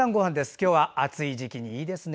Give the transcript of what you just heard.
今日は暑い時期にいいですね。